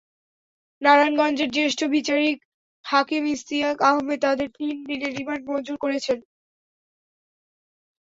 নারায়ণগঞ্জের জ্যেষ্ঠ বিচারিক হাকিম ইশতিয়াক আহম্মেদ তাঁদের তিন দিনের রিমান্ড মঞ্জুর করেছেন।